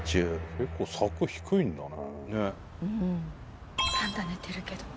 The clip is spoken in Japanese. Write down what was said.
結構柵低いんだね。